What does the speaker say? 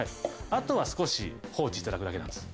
あとは少し放置して頂くだけなんです。